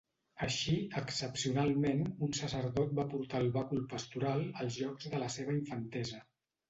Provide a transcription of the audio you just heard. Així, excepcionalment, un sacerdot va portar el bàcul pastoral als llocs de la seva infantesa.